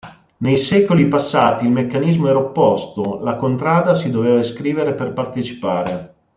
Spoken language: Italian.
Nei secoli passati il meccanismo era opposto: la Contrada si doveva iscrivere per partecipare.